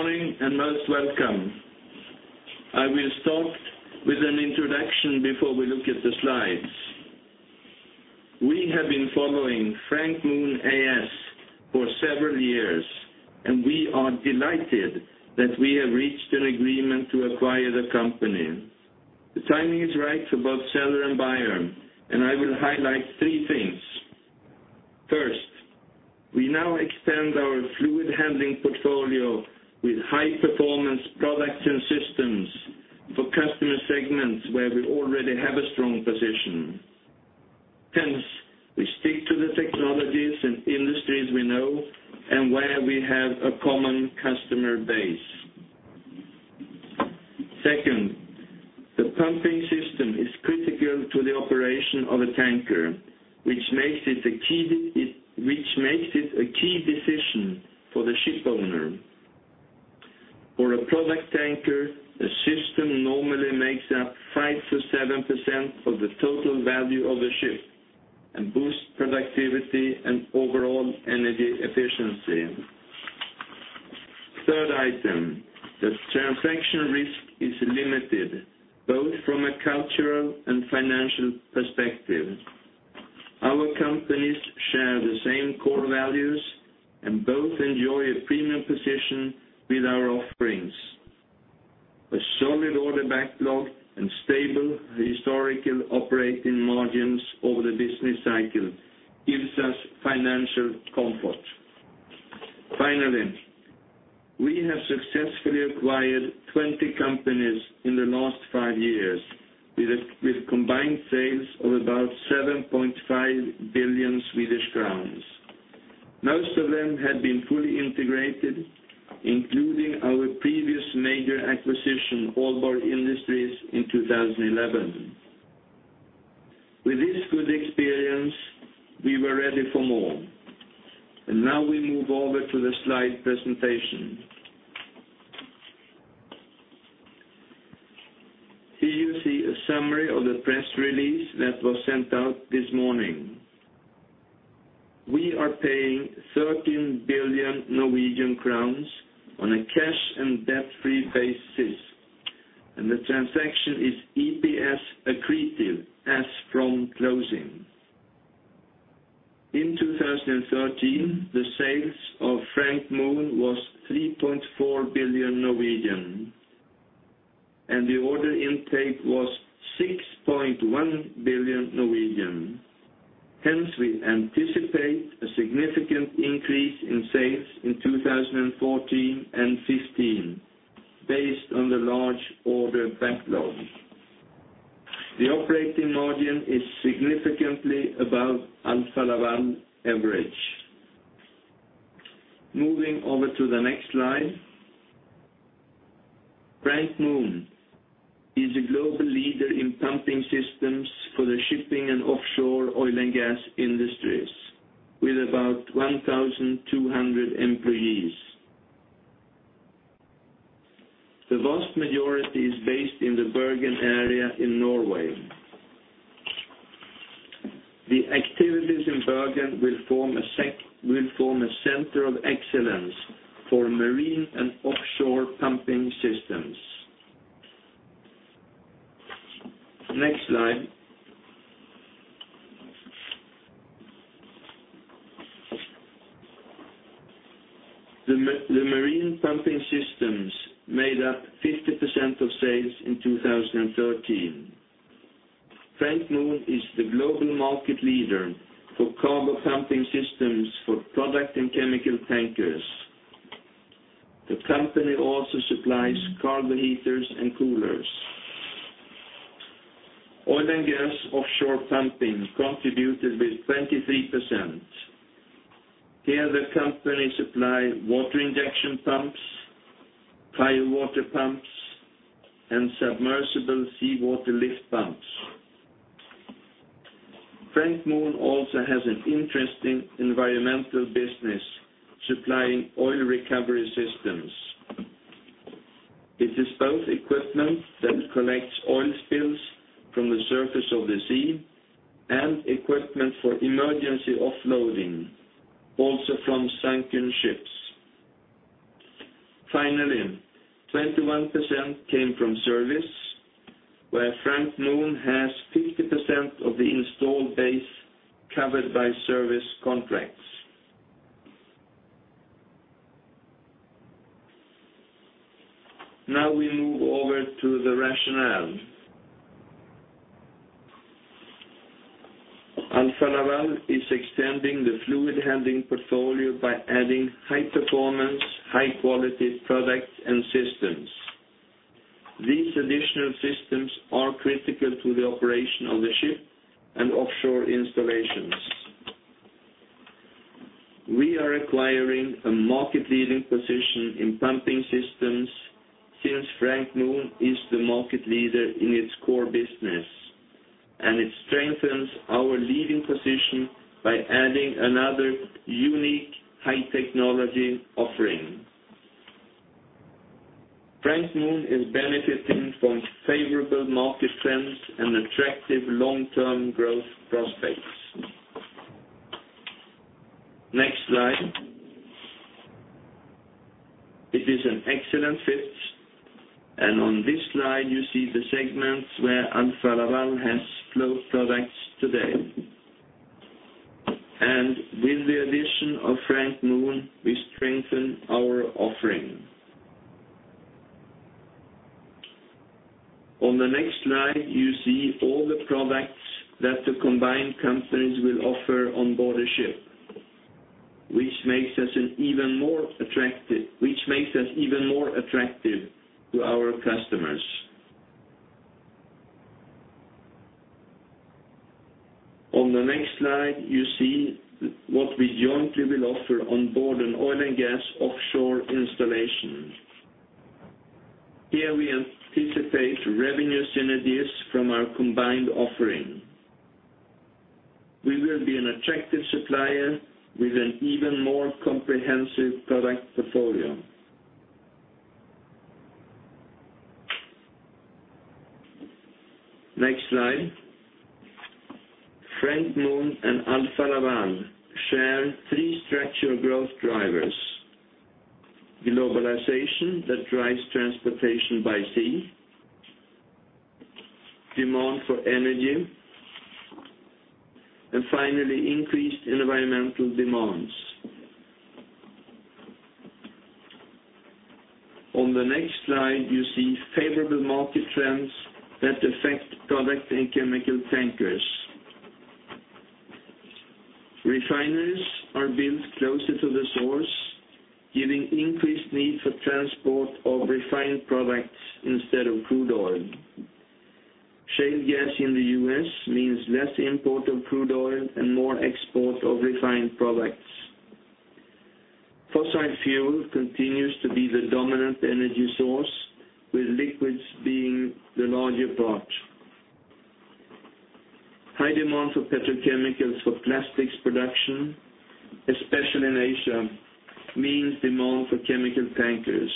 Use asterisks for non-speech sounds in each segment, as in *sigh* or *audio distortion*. Good morning and most welcome. I will start with an introduction before we look at the slides. We have been following Frank Mohn AS for several years, and we are delighted that we have reached an agreement to acquire the company. The timing is right for both seller and buyer, and I will highlight three things. First, we now extend our fluid handling portfolio with high-performance products and systems for customer segments where we already have a strong position. Hence, we stick to the technologies and industries we know and where we have a common customer base. Second, the pumping system is critical to the operation of a tanker, which makes it a key decision for the ship owner. For a product tanker, the system normally makes up 5%-7% of the total value of a ship and boosts productivity and overall energy efficiency. Third item, the transaction risk is limited, both from a cultural and financial perspective. Our companies share the same core values and both enjoy a premium position with our offerings. A solid order backlog and stable historical operating margins over the business cycle gives us financial comfort. Finally, we have successfully acquired 20 companies in the last five years with combined sales of about 7.5 billion Swedish crowns. Most of them have been fully integrated, including our previous major acquisition, Aalborg Industries, in 2011. With this good experience, we were ready for more. Now we move over to the slide presentation. Here you see a summary of the press release that was sent out this morning. We are paying 13 billion Norwegian crowns on a cash and debt-free basis, and the transaction is EPS accretive as from closing. In 2013, the sales of Frank Mohn was 3.4 billion, and the order intake was 6.1 billion. Hence, we anticipate a significant increase in sales in 2014 and 2015, based on the large order backlog. The operating margin is significantly above Alfa Laval average. Moving over to the next slide. Frank Mohn is a global leader in pumping systems for the shipping and offshore oil and gas industries with about 1,200 employees. The vast majority is based in the Bergen area in Norway. The activities in Bergen will form a center of excellence for marine and offshore pumping systems. Next slide. The marine pumping systems made up 50% of sales in 2013. Frank Mohn is the global market leader for cargo pumping systems for product and chemical tankers. The company also supplies cargo heaters and coolers. Oil and gas offshore pumping contributed with 23%. Here, the company supply water injection pumps, fire water pumps, and submersible seawater lift pumps. Frank Mohn also has an interesting environmental business supplying oil recovery systems. It is both equipment that collects oil spills from the surface of the sea and equipment for emergency offloading, also from sunken ships. Finally, 21% came from service, where Frank Mohn has 50% of the installed base covered by service contracts. Now we move over to the rationale. Alfa Laval is extending the fluid handling portfolio by adding high-performance, high-quality products and systems. These additional systems are critical to the operation of the ship and offshore installations. We are acquiring a market-leading position in pumping systems since Frank Mohn is the market leader in its core business, and it strengthens our leading position by adding another unique high-technology offering. Frank Mohn is benefiting from favorable market trends and attractive long-term growth prospects. Next slide. It is an excellent fit. On this slide, you see the segments where Alfa Laval has flow products today. With the addition of Frank Mohn, we strengthen our offering. On the next slide, you see all the products that the combined companies will offer on board a ship, which makes us even more attractive to our customers. On the next slide, you see what we jointly will offer on board an oil and gas offshore installation. Here we anticipate revenue synergies from our combined offering. We will be an attractive supplier with an even more comprehensive product portfolio. Next slide. Frank Mohn and Alfa Laval share three structural growth drivers. Globalization that drives transportation by sea, demand for energy, and finally, increased environmental demands. On the next slide, you see favorable market trends that affect product and chemical tankers. Refineries are built closer to the source, giving increased need for transport of refined products instead of crude oil. Shale gas in the U.S. means less import of crude oil and more export of refined products. Fossil fuel continues to be the dominant energy source, with liquids being the larger part. High demand for petrochemicals for plastics production, especially in Asia, means demand for chemical tankers.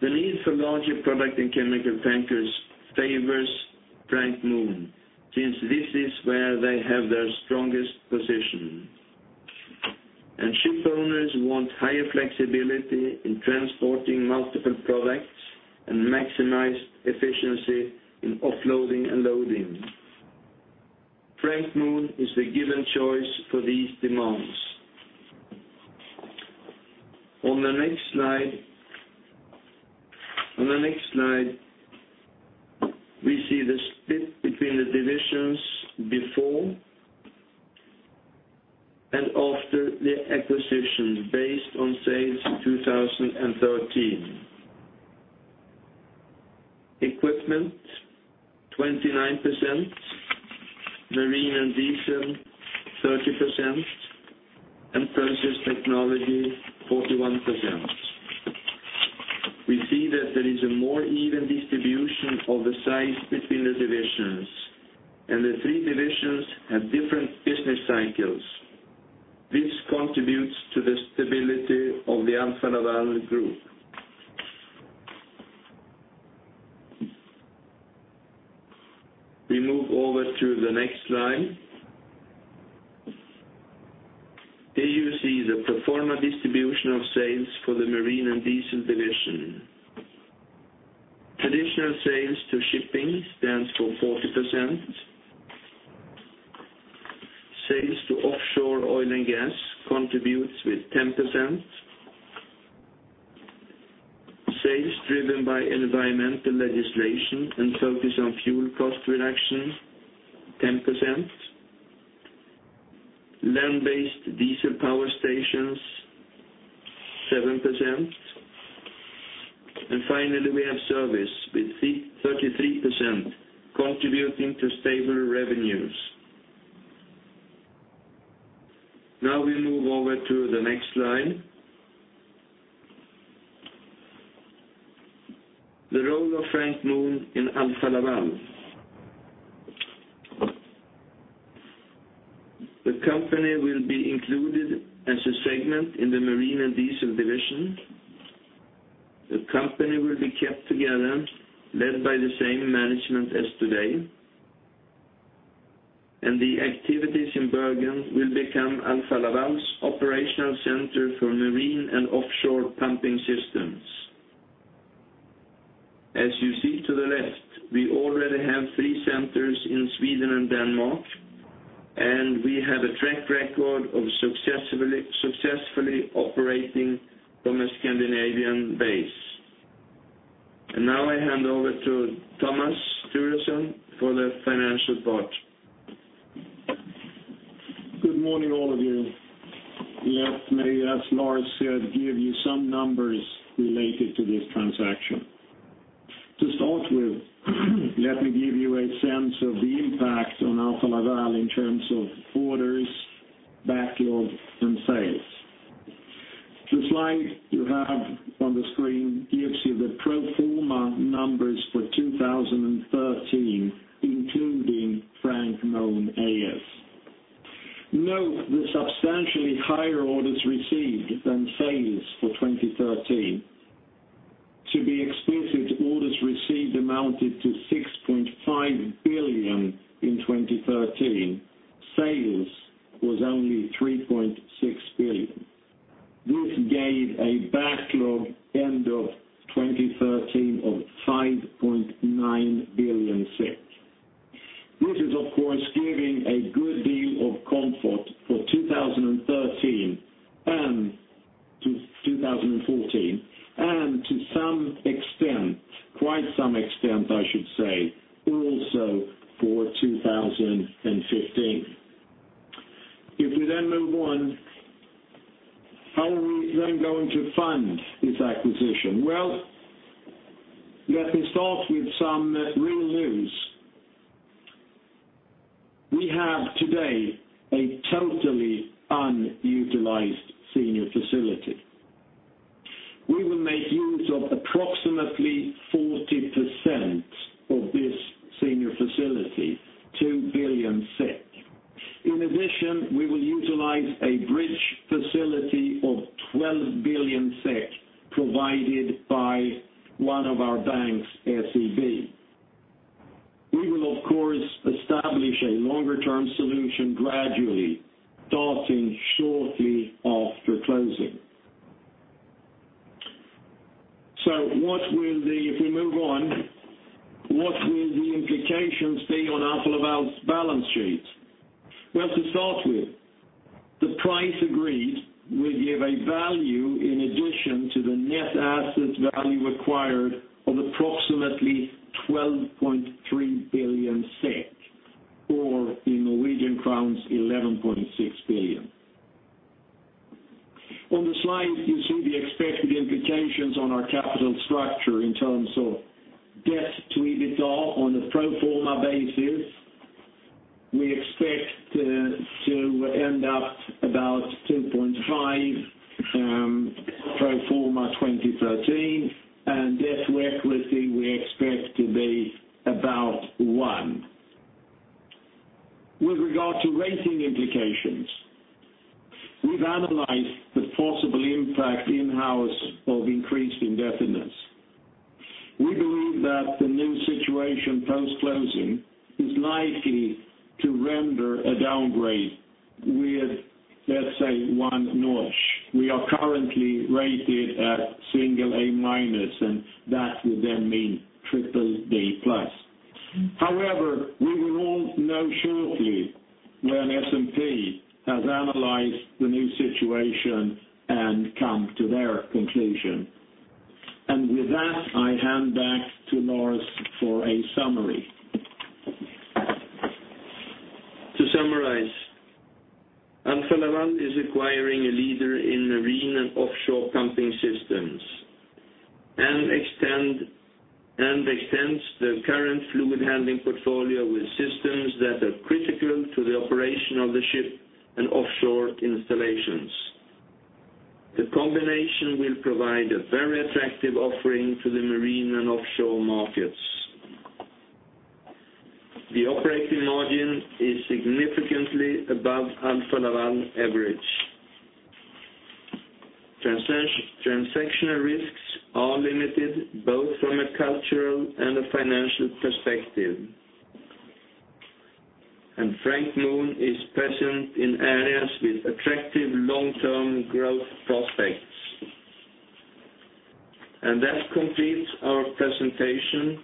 The need for larger product and chemical tankers favors Frank Mohn, since this is where they have their strongest position. Ship owners want higher flexibility in transporting multiple products and maximize efficiency in offloading and loading. Frank Mohn is the given choice for these demands. On the next slide, we see the split between the divisions before and after the acquisition, based on sales in 2013. Equipment, 29%, Marine & Diesel, 30%, and Process Technology, 41%. We see that there is a more even distribution of the sales between the divisions. The three divisions have different business cycles. This contributes to the stability of the Alfa Laval group. We move over to the next slide. Here you see the pro forma distribution of sales for the Marine & Diesel division. Traditional sales to shipping stands for 40%. Sales to offshore oil and gas contributes with 10%. Sales driven by environmental legislation and focus on fuel cost reduction, 10%. Land-based diesel power stations, 7%. Finally, we have service with 33%, contributing to stable revenues. Now we move over to the next slide. The role of Frank Mohn in Alfa Laval. The company will be included as a segment in the Marine & Diesel division. The company will be kept together, led by the same management as today. The activities in Bergen will become Alfa Laval's operational center for marine and offshore pumping systems. As you see to the left, we already have three centers in Sweden and Denmark. We have a track record of successfully operating from a Scandinavian base. Now I hand over to Thomas Thuresson for the financial part. Good morning, all of you. Let me, as Lars said, give you some numbers related to this transaction. To start with, let me give you a sense of the impact on Alfa Laval in terms of orders, backlog, and sales. The slide you have on the screen gives you the pro forma numbers for 2013, including Frank Mohn AS. Note the substantially higher orders received than sales for 2013. To be explicit, orders received amounted to 6.5 billion in 2013. Sales was only 3.6 billion. This gave a backlog end of 2013 of 5.9 billion. This is, of course, giving a good deal of comfort for 2013 and to 2014, and to some extent, quite some extent I should say, also for 2015. How are we then going to fund this acquisition? Well, let me start with some real news. We have today a totally unutilized senior facility. We will make use of approximately 40% of this senior facility, SEK 2 billion. In addition, we will utilize a bridge facility of SEK 12 billion provided by one of our banks, SEB. We will, of course, establish a longer-term solution gradually, starting shortly after closing. If we move on, what will the implications be on Alfa Laval's balance sheet? Well, to start with, the price agreed will give a value in addition to the net asset value acquired of approximately SEK 12.3 billion, or in Norwegian crowns 11.6 billion. On the slide, you see the expected implications on our capital structure in terms of debt to EBITDA on a pro forma basis. We expect to end up about 2.5 pro forma 2013, and debt worth listing we expect to be about 1. With regard to rating implications, we've analyzed the possible impact in-house of increase in indebtedness. We believe that the new situation post-closing is likely to render a downgrade with, let's say, one notch. We are currently rated at single A-, and that would then mean BBB+. However, we will all know shortly when S&P has analyzed the new situation and come to their conclusion. With that, I hand back to Lars for a summary. To summarize, Alfa Laval is acquiring a leader in marine and offshore pumping systems, and extends the current fluid handling portfolio with systems that are critical to the operation of the ship and offshore installations. The combination will provide a very attractive offering to the marine and offshore markets. The operating margin is significantly above Alfa Laval average. Transactional risks are limited, both from a cultural and a financial perspective. Frank Mohn is present in areas with attractive long-term growth prospects. That completes our presentation.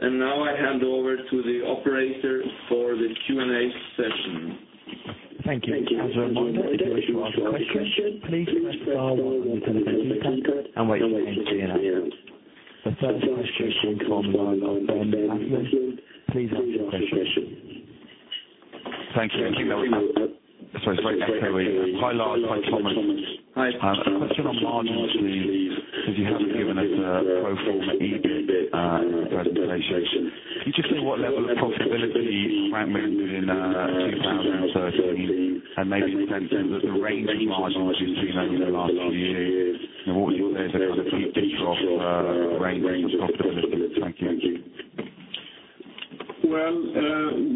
Now I hand over to the operator for the Q&A session. Thank you. As a reminder, if you wish to ask a question, please press star one on your telephone keypad and wait to be answered. The first question comes online. Then after, please ask your question. Thank you. Sorry. It's. *audio distortion* Hi, Lars. Hi, Thomas. Hi. A question on margins, please, because you haven't given us a pro forma EBIT in your presentation. Can you just say what level of profitability Frank Mohn did in 2013, and maybe in terms of the range of margins we've seen over the last few years? What is a kind of key picture of range and profitability? Thank you. Well,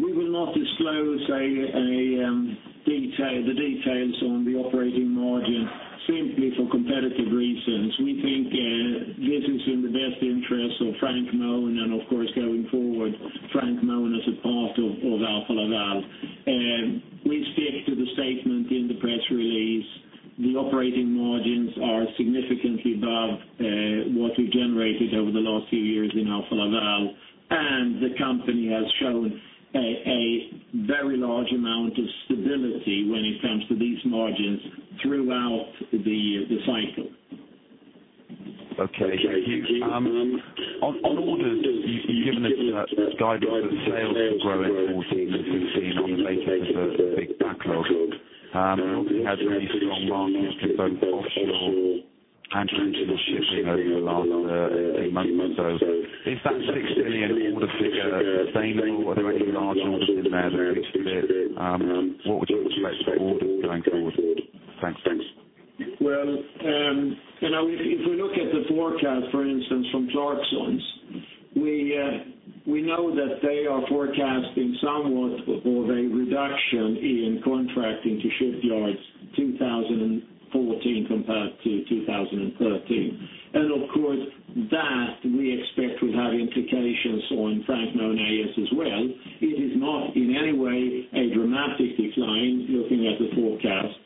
we will not disclose the details on the operating margin simply for competitive reasons. We think this is in the best interest of Frank Mohn and of course, going forward, Frank Mohn as a part of Alfa Laval. We stick to the statement in the press release. The operating margins are significantly above what we've generated over the last few years in Alfa Laval, and the company has shown a very large amount of stability when it comes to these margins throughout the cycle. Okay. Thank you. On orders, you've given us guidance that sales will grow in 2014, as we've seen, on the basis of a big backlog. We obviously had really strong markets in both offshore and traditional shipping over the last eight months or so. Is that 6 billion order figure sustainable? Are there any large orders in there that fixed it? What would you expect orders going forward? Thanks. If we look at the forecast, for instance, from Clarksons, we know that they are forecasting somewhat of a reduction in contracting to shipyards 2014 compared to 2013. Of course, that we expect will have implications on Frank Mohn AS as well. It is not in any way a dramatic decline looking at the forecasts.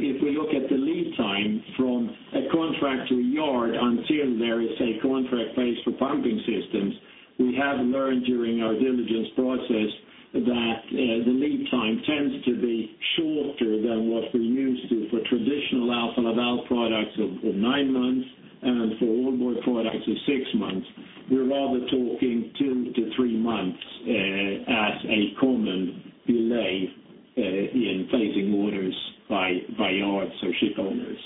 If we look at the lead time from a contract to a yard until there is a contract placed for pumping systems, we have learned during our diligence process that the lead time tends to be shorter than what we're used to for traditional Alfa Laval products of nine months and for onboard products of six months. We're rather talking two to three months as a common delay in placing orders by yards or ship owners.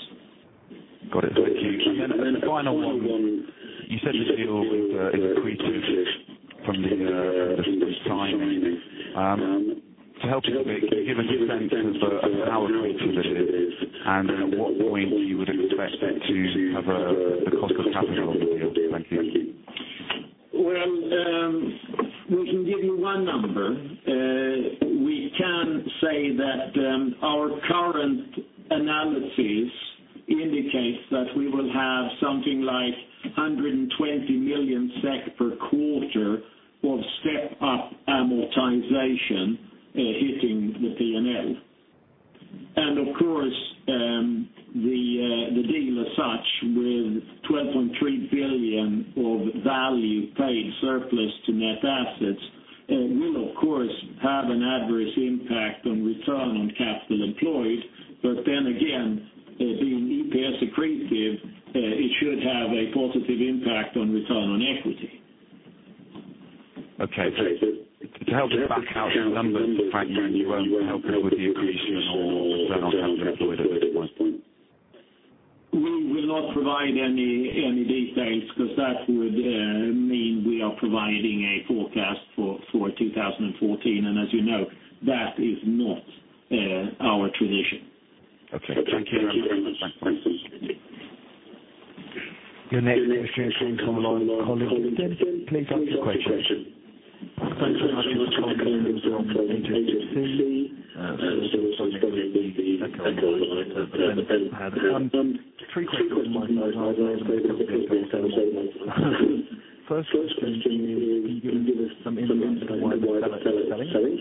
Got it. Thank you. A final one. You said this deal is accretive from the beginning of timing. To help us a bit, can you give us a sense of how accretive it is, and at what point you would expect it to cover the cost of capital of the deal? Thank you. Well, we can give you one number. We can say that our current analysis indicates that we will have something like 120 million SEK per quarter of step-up amortization hitting the P&L. Of course, the deal as such, with 12.3 billion of value paid surplus to net assets, will, of course, have an adverse impact on return on capital employed. Again, being EPS accretive, it should have a positive impact on return on equity. Okay. To help us back out the numbers, Frank, can you help us with the accretion on return on capital employed at this point? We will not provide any details because that would mean we are providing a forecast for 2014, and as you know, that is not our tradition. Okay. Thank you. The next question come online from Please ask your question. Thanks very much. This is from First question is, can you give us some insight as to why the seller is selling?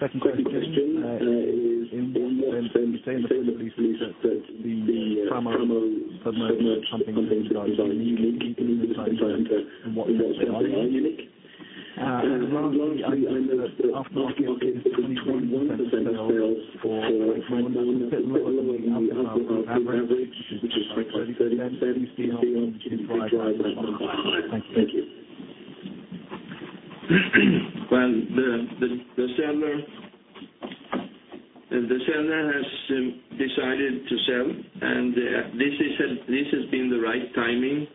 Second question is, in what sense are you saying that these assets, the Framo submerged pumping systems are unique? Can you describe in what ways they are unique? Then lastly, I know that the aftermarket is 21% sales for Frank Mohn. Is that well above the average, which is 6% to 7%? Is this the driver behind that? Thank you. Well, the seller has decided to sell. This has been the right timing.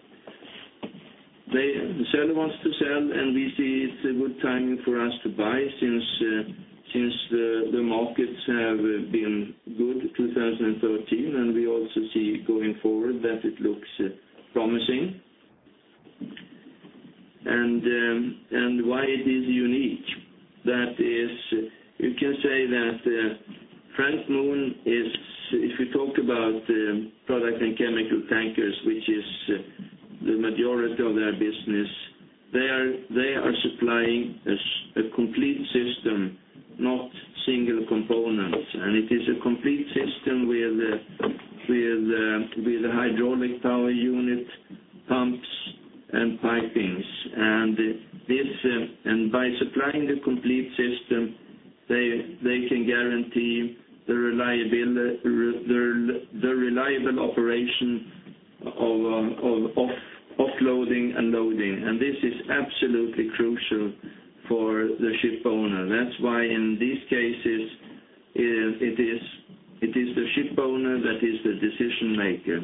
The seller wants to sell, we see it's a good timing for us to buy since the markets have been good 2013, we also see going forward that it looks promising. Why it is unique, that is, you can say that Frank Mohn is, if you talk about product and chemical tankers, which is the majority of their business, they are supplying a complete system, not single components. It is a complete system with a hydraulic power unit, pumps, and pipings. By supplying the complete system, they can guarantee the reliable operation of offloading and loading. This is absolutely crucial for the ship owner. That's why in these cases, it is the ship owner that is the decision maker.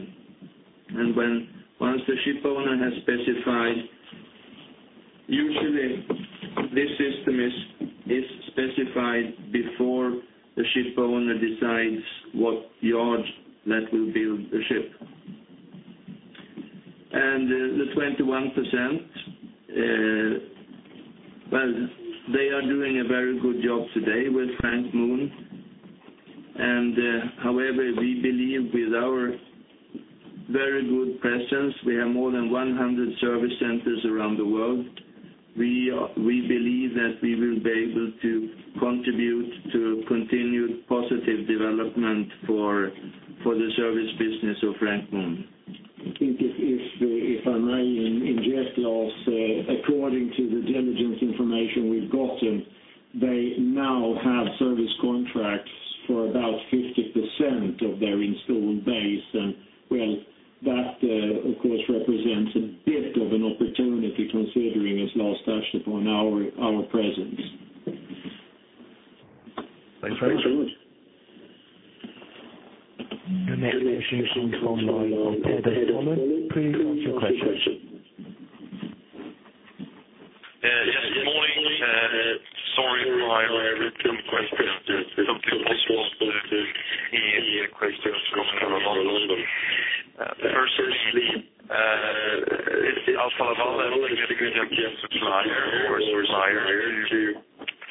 Once the ship owner has specified, usually this system is specified before the ship owner decides what yard that will build the ship. The 21%, well, they are doing a very good job today with Frank Mohn. However, we believe with our very good presence, we have more than 100 service centers around the world. We believe that we will be able to contribute to continued positive development for the service business of Frank Mohn. I think if I may inject, Lars, according to the diligence information we've gotten, they now have service contracts for about 50% of their installed base. Well, that, of course, represents a bit of an opportunity considering, as Lars touched upon, our presence. Thanks very much. The next question comes online from Please ask your question. Two more related questions. The first one is, Alfa Laval is a significant supplier to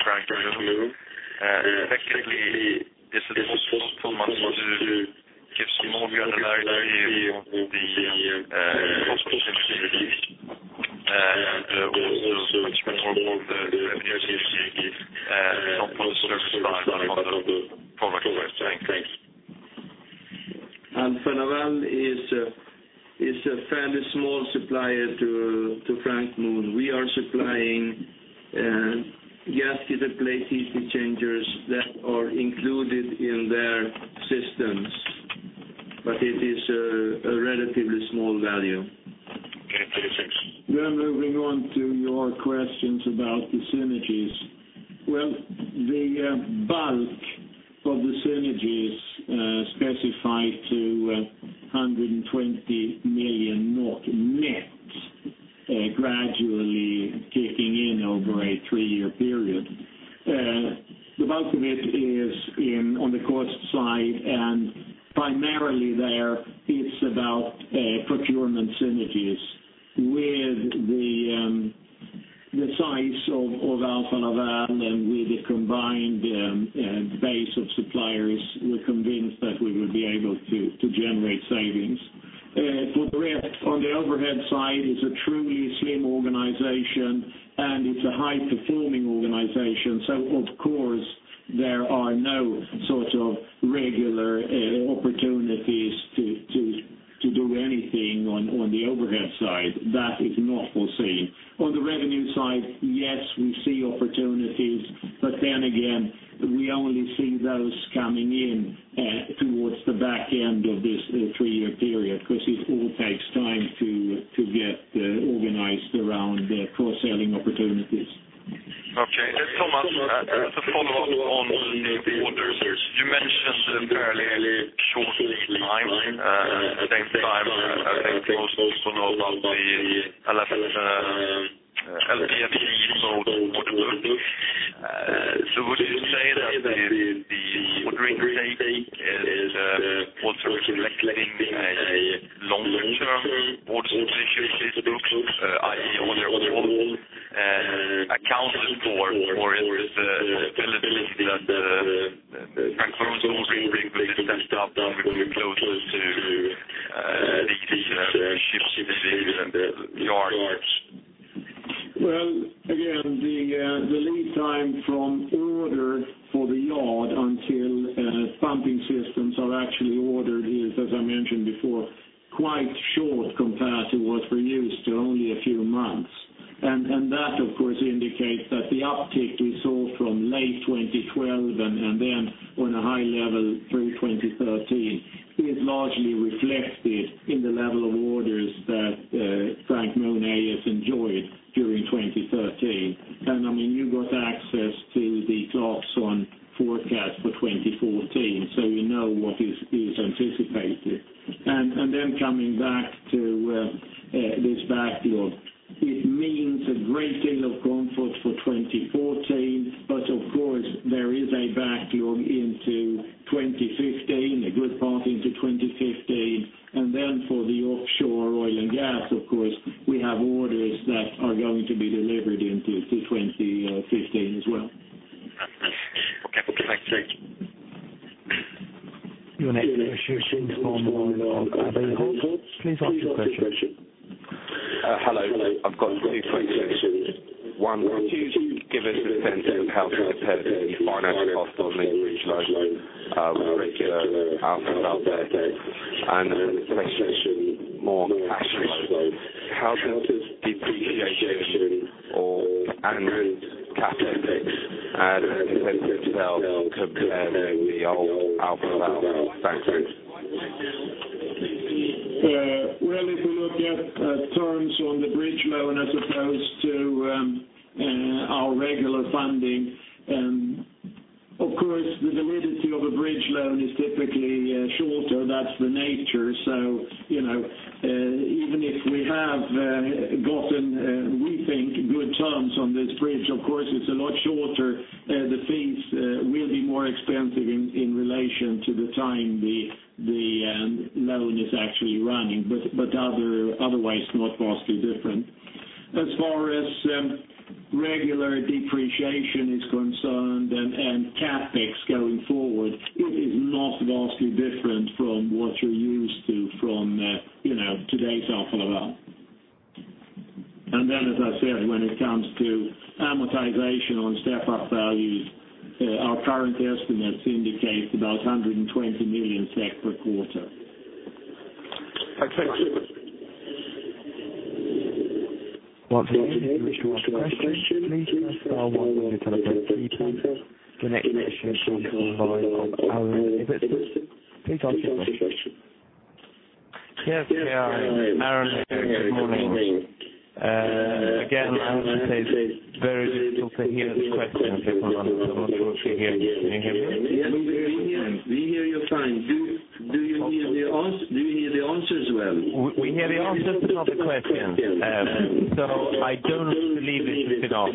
Frank Mohn. Effectively, is it possible for Mohn to give some more granular view on the cost savings, or the potential synergies from the structure side of the product range? Thank you. Alfa Laval is a fairly small supplier to Frank Mohn. We are supplying gas-cooled plate heat exchangers that are included in their systems, but it is a relatively small value. Okay, thanks. Moving on to your questions about the synergies. The bulk of the synergies specified to 120 million net, gradually kicking in over a three-year period. The bulk of it is on the cost side, and primarily there it's about procurement synergies. With the size of Alfa Laval and with a combined base of suppliers, we're convinced that we will be able to generate savings. For the rest, on the overhead side, it's a truly slim organization and it's a high-performing organization. Of course, there are no regular opportunities to do anything on the overhead side. That is not foreseen. On the revenue side, yes, we see opportunities, but then again, we only see those coming in towards the back end of this three-year period, because it all takes time to get organized around cross-selling opportunities. Okay. Thomas, as a follow-up on the orders. You mentioned fairly short lead time. At the same time. *audio distortion* Would you say that the ordering behavior is also reflecting a longer-term order situation in books, i.e., order volume, and accounted for, or is the scalability that Frank Mohn will bring with this step-up will be closer to the ship stability and the yard? Well, again, the lead time from order for the yard until pumping systems are actually ordered is, as I mentioned before, quite short compared to what we're used to, only a few months. That, of course, indicates that the uptick we saw from late 2012 and then on a high level through 2013 is largely reflected in the level of orders that Frank Mohn has enjoyed during 2013. I mean, you got access to the thoughts on forecast for 2014, so you know what is anticipated. Then coming back to this backlog. It means a great deal of comfort for 2014. Of course, there is a backlog into 2015, a good part into 2015. Then for the offshore oil and gas, of course, we have orders that are going to be delivered into 2015 as well. Okay. Thanks. The next question comes from the line of Adam Hall. Please ask your question. Hello, I've got two questions. One, could you give us a sense of how, compared to the financing costs on the bridge loan with regular Alfa Laval debt and then the second question, more cash flow. How does this depreciation or annual CapEx as a percentage sales compare with the old Alfa Laval? Thanks very much. Well, if you look at terms on the bridge loan as opposed to our regular funding, of course, the validity of a bridge loan is typically shorter. That's the nature. Even if we have gotten, we think, good terms on this bridge, of course, it's a lot shorter. The fees will be more expensive in relation to the time the loan is actually running, but otherwise not vastly different. As far as regular depreciation is concerned and CapEx going forward, it is not vastly different from what you're used to from today's Alfa Laval. As I said, when it comes to amortization on step-up values, our current estimates indicate about 120 million SEK per quarter. Thanks very much. Once again, if you wish to ask a question, please press star one on your telephone keypad. The next question comes from the line of Aaron Gibson. Please ask your question. Yes. Hi, Aaron here. Good morning. Again, as you say, very little coherence question at this moment. I'm not sure if you hear me. Can you hear me? We hear you fine. Do you hear the answers well? We hear the answers, not the questions. I don't believe this is enough.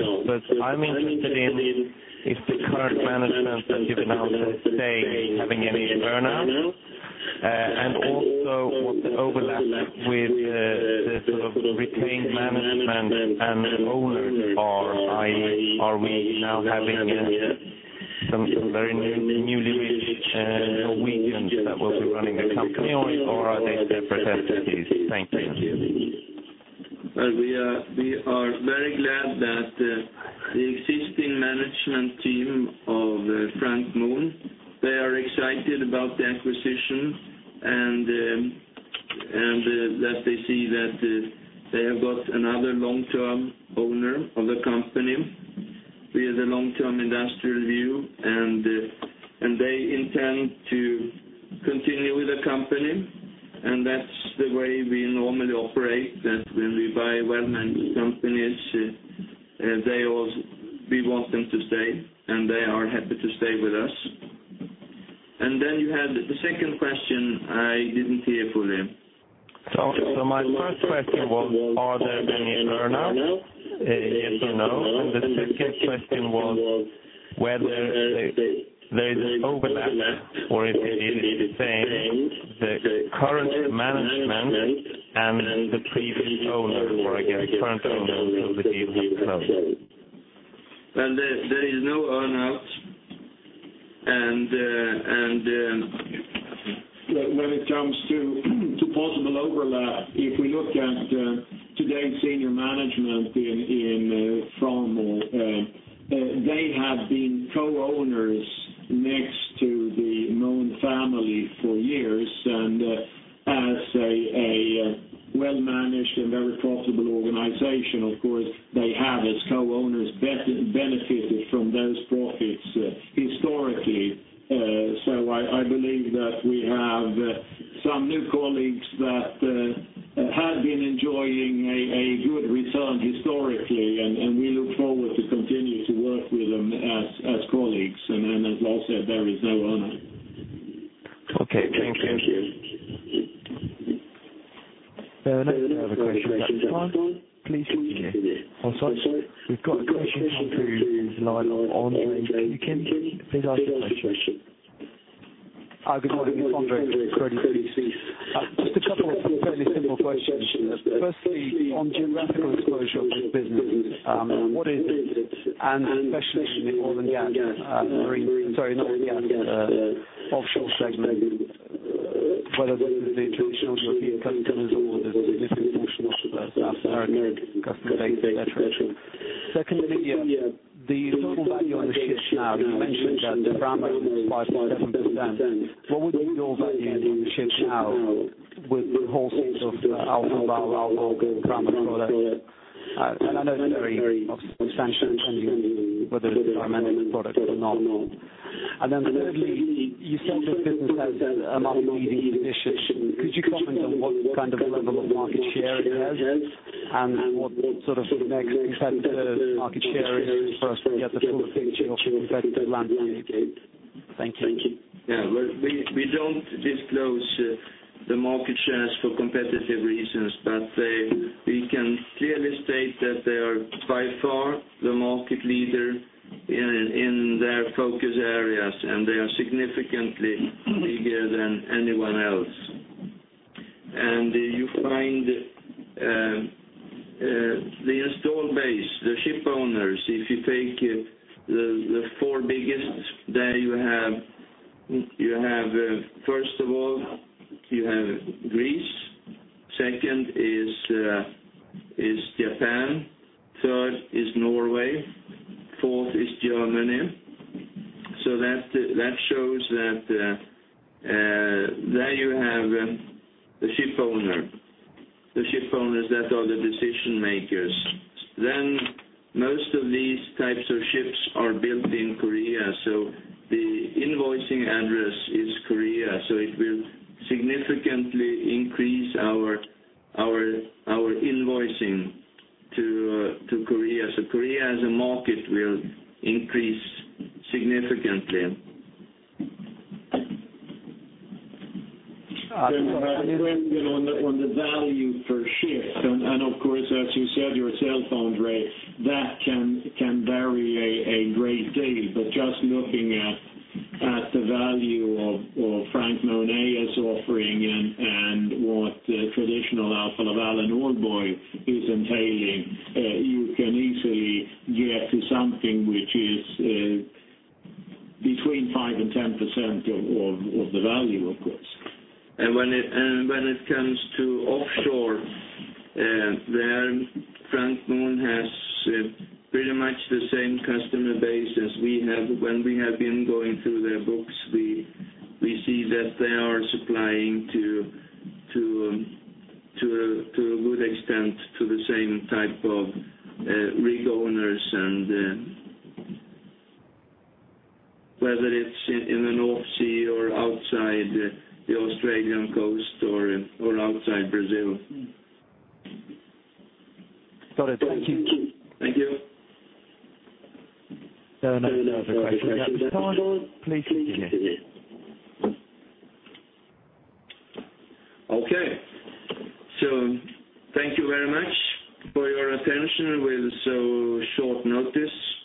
I'm interested in if the current management that you've announced is staying, having any earn-out, and also what the overlap with the retained management and owners are? Are we now having some very newly rich Norwegians that will be running the company, or are they separate entities? Thank you. Well, we are very glad that the existing management team of Frank Mohn, they are excited about the acquisition. They see that they have got another long-term owner of the company with a long-term industrial view. They intend to continue with the company. That's the way we normally operate, that when we buy well-managed companies, we want them to stay. They are happy to stay with us. You had the second question, I didn't hear fully. My first question was, are there any earn-out, yes or no? The second question was whether there is overlap or if it is the same, the current management and the previous owner, or I guess current owner of the business. Well, there is no earn-out. When it comes to possible overlap, if we look at today's senior management in Framo, they have been co-owners next to the Mohn family for years. As a well-managed and very profitable organization, of course, they have, as co-owners, benefited from those profits historically. I believe that we have some new colleagues that have been enjoying a good return historically, and we look forward to continue to work with them as colleagues. As Lars said, there is no earn-out. Okay. Thank you. Our next round of questions. At this time, please continue. We've got a question from who is live on the line. Andre, can you repeat his/her question? I've been calling it Andre from Credit Suisse. Just a couple of fairly simple questions. Firstly, on geographical exposure of this business, what is it? Especially in the offshore segment, whether this is the traditional European customers or there's a different function of South American customer base, et cetera. Secondly, the total value on the ships now, you mentioned that the Framo supplies is 5%-7%. What would be your value on the ships now with the whole sorts of Alfa Laval or Framo products? I know it's very substantially pending whether it's *audio distortion* product or not. Thirdly, you said this business has. *audio distortion* Could you comment on what level of market share it has, and what sort of next set of market share is for us to get the full picture of the competitive landscape? Thank you. Well, we don't disclose the market shares for competitive reasons, but we can clearly state that they are by far the market leader in their focus areas, and they are significantly bigger than anyone else. You find the install base, the ship owners, if you take the four biggest, there you have, first of all, you have Greece, second is Japan, third is Norway, fourth is Germany. That shows that there you have the ship owner. The ship owners that are the decision makers. Most of these types of ships are built in Korea. The invoicing address is Korea, so it will significantly increase our invoicing to Korea. Korea as a market will increase significantly. On the value per ship, of course, as you said yourself, Andre, that can vary a great deal. Just looking at the value of Frank Mohn's offering and what traditional Alfa Laval and Aalborg is entailing, you can easily get to something which is between 5% and 10% of the value, of course. When it comes to offshore, there Frank Mohn has pretty much the same customer base as we have. When we have been going through their books, we see that they are supplying to a good extent to the same type of rig owners and whether it's in the North Sea or outside the Australian coast or outside Brazil. Got it. Thank you. Thank you. Our next round of questions. At this time, please continue. Okay. Thank you very much for your attention with so short notice.